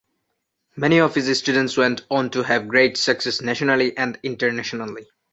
Many of his students went on to have great success nationally and internationally.